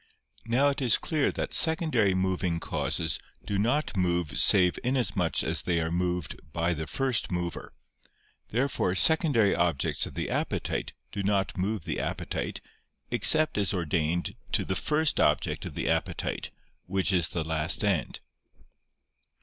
Now it is clear that secondary moving causes do not move save inasmuch as they are moved by the first mover. Therefore secondary objects of the appetite do not move the appetite, except as ordained to the first object of the appetite, which is the last end.